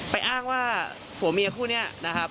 ไปอ้างว่าผัวเมียคู่นี้